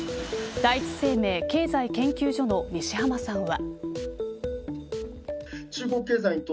第一生命経済研究所の西濱さんは。